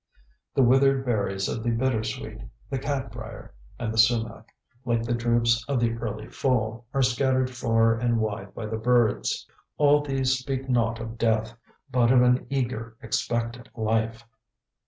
The withered berries of the bittersweet, the cat brier, and the sumac, like the drupes of the early fall, are scattered far and wide by the birds. All these speak not of death, but of an eager, expectant life.